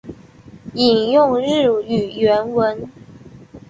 引用日语原文